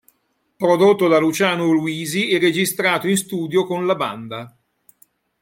Prodotto da Luciano Luisi e registrato in studio con La Banda.